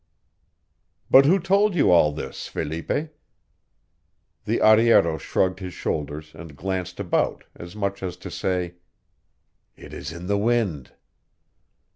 "But who told you all this, Felipe?" The arriero shrugged his shoulders and glanced about, as much as to say, "It is in the wind."